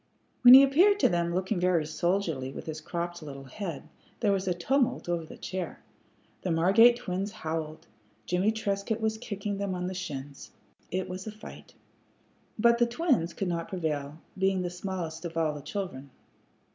When he appeared to them looking very soldierly with his cropped little head, there was a tumult over the chair. The Margate twins howled; Jimmie Trescott was kicking them on the shins. It was a fight. But the twins could not prevail, being the smallest of all the children.